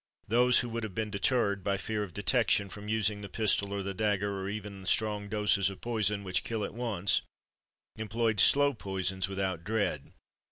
Those who would have been deterred, by fear of detection, from using the pistol or the dagger, or even strong doses of poison, which kill at once, employed slow poisons without dread.